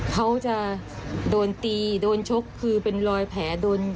เขาจะโดนตีโดนชกคือเป็นรอยแผลโดน